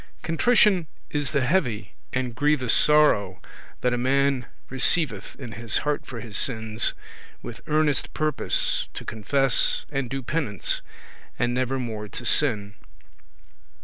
Contrition is the heavy and grievous sorrow that a man receiveth in his heart for his sins, with earnest purpose to confess and do penance, and never more to sin.